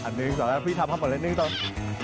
อันหนึ่งสวัสดีครับพี่ทำครับอันหนึ่งต้อง